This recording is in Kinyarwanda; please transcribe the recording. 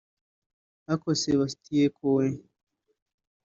Ariko Sebatien Coe